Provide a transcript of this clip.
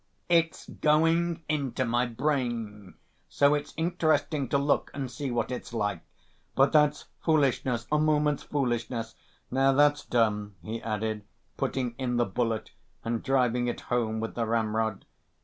"It's going into my brain, so it's interesting to look and see what it's like. But that's foolishness, a moment's foolishness. Now that's done," he added, putting in the bullet and driving it home with the ramrod.